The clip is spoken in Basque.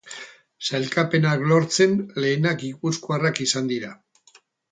Sailkapena lortzen lehenak gipuzkoarrak izan dira.